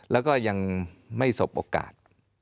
แล้วก็ยังไม่สบโอกาส